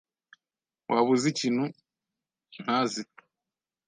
Waba uzi ikintu ntazi?